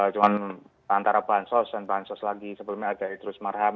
cuma antara bahan sos dan bahan sos lagi sebelumnya ada idris marham